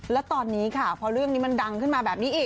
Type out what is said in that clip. และตอนนี้ค่ะพอเรื่องนี้มันดังขึ้นมาแบบนี้อีก